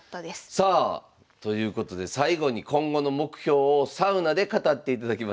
さあということで最後に今後の目標をサウナで語っていただきました。